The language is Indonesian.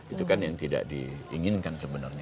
itu kan yang tidak diinginkan sebenarnya